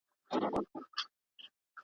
که پر سد که لېوني دي ټول په کاڼو سره ولي.